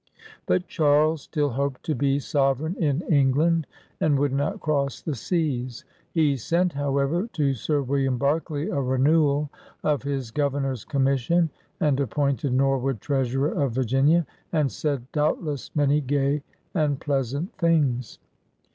But Charles still hoped to be 150 PIONEERS OF THE OLD SOUTH sovereign in England and would not cross the seas. He. sent, however, to Sir William Berkeley a re newal of his Governor's commission, and appointed Norwood Treasurer of Virginia, and said, doubt less, many gay and pleasant things.